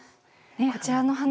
こちらの花